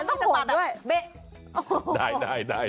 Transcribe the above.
ต้องห่วงด้วย